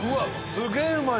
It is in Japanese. すげえうまい！